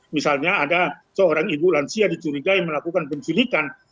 misalnya ada seorang ibu lansia dicurigai melakukan penculikan